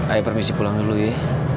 ayah permisi pulang dulu ya